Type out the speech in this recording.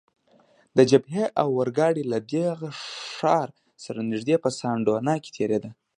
د جبهې اورګاډی له دغه ښار سره نږدې په سان ډونا کې تیریده.